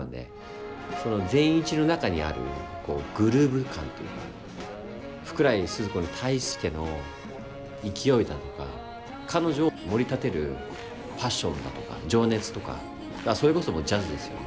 その善一の中にあるグルーヴ感というか福来スズ子に対しての勢いだとか彼女を盛り立てるパッションだとか情熱とかそれこそもうジャズですよね。